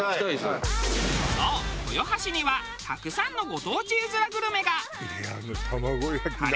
そう豊橋にはたくさんのご当地うずらグルメが。